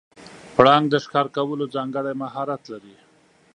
پړانګ د ښکار کولو ځانګړی مهارت لري.